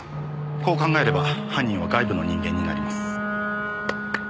こう考えれば犯人は外部の人間になります。